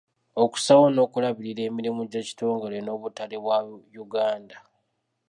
Okussaawo n'okulabirira emirimu gy'ekitongole n'obutale bwa Uganda.